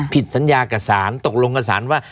ผิดสัญญากับสารตกลงกับสารว่า